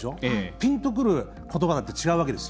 ぴんとくることばだって違うわけです。